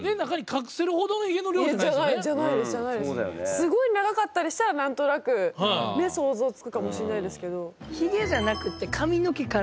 すごい長かったりしたらなんとなく想像つくかもしれないですけど。